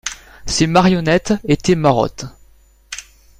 Ses marionnettes étaient des marottes.